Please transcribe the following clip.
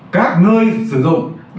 các nơi sử dụng lái xe phải tuyệt đối rắc nhở